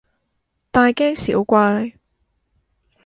大驚小怪